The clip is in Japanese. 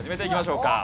いきましょう。